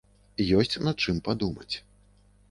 Ёсць над чым падумаць.